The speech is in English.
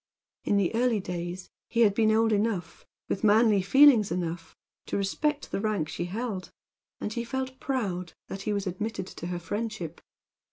In the early days he had been old enough, with manly feelings enough, to respect the rank she held, and he had felt proud that he was admitted to her friendship.